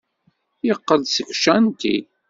Yeqqel-d seg ucanṭi.